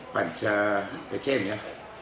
panca pcm ya